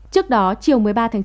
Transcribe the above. trước đó chiều một mươi ba chín